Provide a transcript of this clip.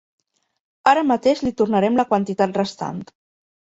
Ara mateix li tornarem la quantitat restant.